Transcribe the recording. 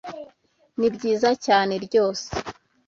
Nibyiza cyane ryose